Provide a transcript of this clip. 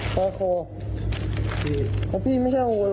เธอบอกว่าเขาล่มด้วย